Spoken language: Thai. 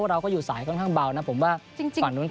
เราอยู่สายค่อนข้างเบานะผมว่าฝั่งจนจะหนัก